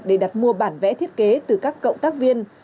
để đặt mua bản vẽ thiết kế từ các cộng tác viên